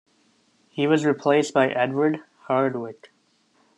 He was replaced by Edward Hardwicke.